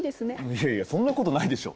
いやいやそんなことないでしょ。